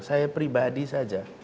saya pribadi saja